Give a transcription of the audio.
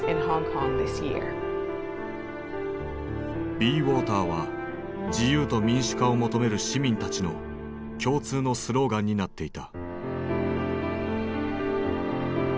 「ＢｅＷａｔｅｒ」は自由と民主化を求める市民たちの共通のスローガンになっていた。